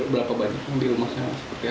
berapa banyak yang dirumahkan